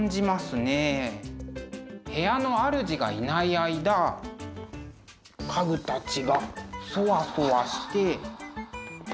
部屋のあるじがいない間家具たちがそわそわして。